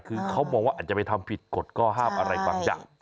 คือเขามองว่าอาจจะไปทำผิดกฎข้อห้ามอะไรบางอย่าง